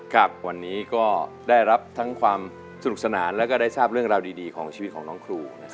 ครับวันนี้ก็ได้รับทั้งความสนุกสนานแล้วก็ได้ทราบเรื่องราวดีของชีวิตของน้องครู